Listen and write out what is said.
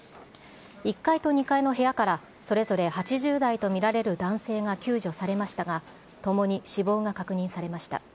１階と２階の部屋から、それぞれ８０代と見られる男性が救助されましたが、ともに死亡が確認されました。